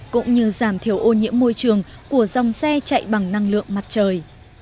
cũng như giảm thiểu ô nhiễm môi trường của dòng xe chạy bằng năng lượng mặt trời